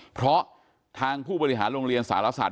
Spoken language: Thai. เพราะทางผู้บริหารโรงเรียนสารศาส